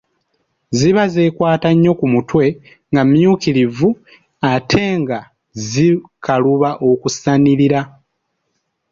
Ziba zeekwata nnyo ku mutwe, nga mmyukirivu ate nga zikaluba okusanirira.